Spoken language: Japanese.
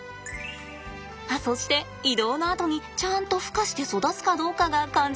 あそして移動のあとにちゃんと孵化して育つかどうかが肝心です。